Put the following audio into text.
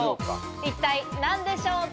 一体何でしょうか？